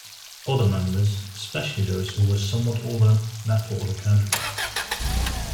Other members, especially those who were somewhat older, left for other countries.